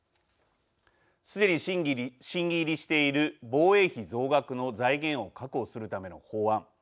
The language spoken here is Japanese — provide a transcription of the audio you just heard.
すでに審議入りしている防衛費増額の財源を確保するための法案。